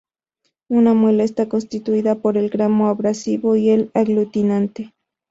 Una muela está constituida por el grano abrasivo y el aglutinante.